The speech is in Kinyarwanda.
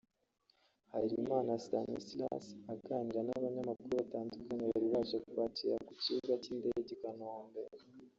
Harerimana Stanislas aganira n’abanyamakuru batandukanye bari baje kumwakira ku kibuga cy’indege i Kanombe